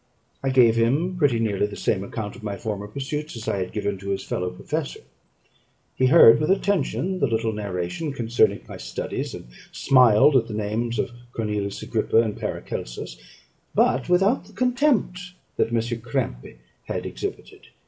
I gave him pretty nearly the same account of my former pursuits as I had given to his fellow professor. He heard with attention the little narration concerning my studies, and smiled at the names of Cornelius Agrippa and Paracelsus, but without the contempt that M. Krempe had exhibited.